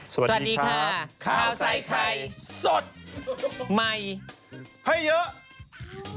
สวัสดีค่ะข้าวใส่ไข่สดใหม่ให้เยอะ